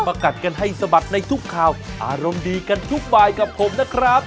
กัดกันให้สะบัดในทุกข่าวอารมณ์ดีกันทุกบายกับผมนะครับ